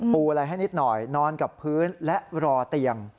อะไรให้นิดหน่อยนอนกับพื้นและรอเตียง